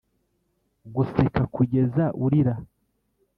guseka kugeza urira.